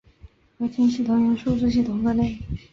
合金系统由数字系统分类。